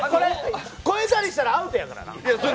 越えたりしたらアウトやからな。